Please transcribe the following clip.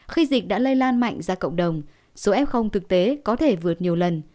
khi dịch đã lây lan mạnh ra cộng đồng số f thực tế có thể vượt nhiều lần